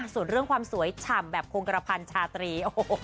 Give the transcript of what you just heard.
ส่วนเรื่องความสวยฉ่ำแบบโคงกระพันชาตรี